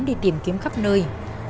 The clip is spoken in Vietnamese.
đi tìm kiếm khắp nơi